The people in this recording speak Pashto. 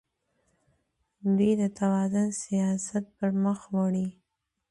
دوی د توازن سیاست پرمخ وړي.